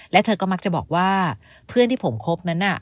และเธอก็มักจะบอกว่าเพื่อนที่ผมคบนั้น